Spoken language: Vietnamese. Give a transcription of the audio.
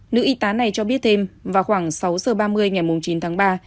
nữ y tá này cho biết thêm vào khoảng sáu giờ ba mươi ngày chín tháng ba